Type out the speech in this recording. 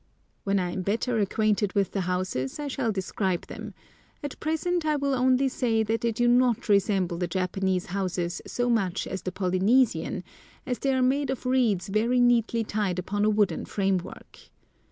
When I am better acquainted with the houses I shall describe them; at present I will only say that they do not resemble the Japanese houses so much as the Polynesian, as they are made of reeds very neatly tied upon a wooden framework.